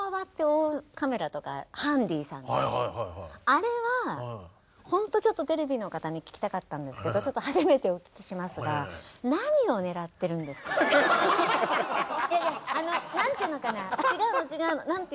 あれはほんとちょっとテレビの方に聞きたかったんですけど初めてお聞きしますが何ていうのかな違うの違うの何ていうのかな。